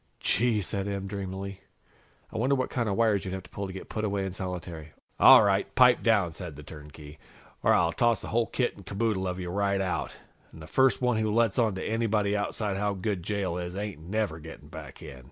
"Gee!" Em said dreamily. "I wonder what kind of wires you'd have to pull to get put away in solitary?" "All right, pipe down," said the turnkey, "or I'll toss the whole kit and caboodle of you right out. And first one who lets on to anybody outside how good jail is ain't never getting back in!"